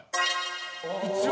一応。